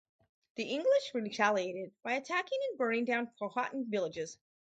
The English retaliated by attacking and burning down Powhatan villages.